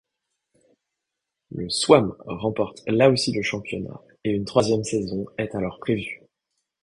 Le Swarn remporte là aussi le championnat, et une troisième saison est alors prévue.